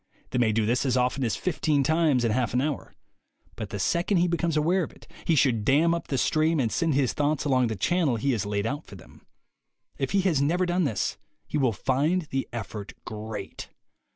They may do this as often as fifteen times in half an hour. But the second he becomes aware of it, he should dam up the stream and send his thoughts along the channel he has laid out for them. If he has never done this, he will find the effort great.